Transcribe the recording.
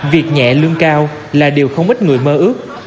việc nhẹ lương cao là điều không ít người mơ ước